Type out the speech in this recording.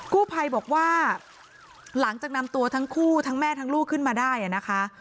กู้ภัยบอกว่าหลังจากนำตัวทั้งคู่ทั้งแม่ทั้งลูกขึ้นมาได้นะคะ